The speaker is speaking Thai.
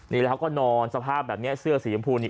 นี่แล้วเขาก็นอนสภาพแบบนี้เสื้อสีชมพูนี่